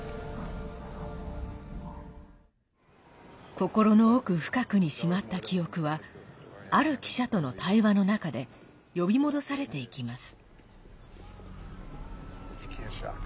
心の奥深くにしまった記憶はある記者との対話の中で呼び戻されていきます。